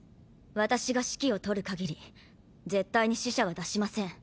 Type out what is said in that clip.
私が指揮を執るかぎり絶対に死者は出しません。